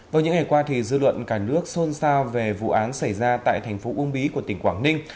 vào những ngày qua dư luận cả nước xôn xao về vụ án xảy ra tại thành phố uông bí của tỉnh quảng ninh